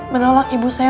menolak ibu saya